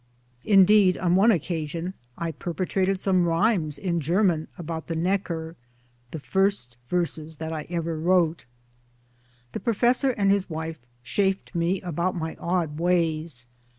Indeed on one occasion I perpetrated some rhymes in German about the Neckar the first verses that I ever wrote/ The Professor and his wife chaffed me about my odd ways.